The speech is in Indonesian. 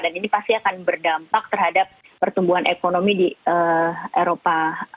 dan ini pasti akan berdampak terhadap pertumbuhan ekonomi di eropa